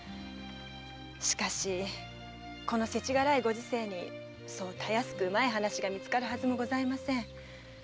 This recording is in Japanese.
しかしこのせちがらいご時世にそうたやすくうまい話が見つかるはずもございません。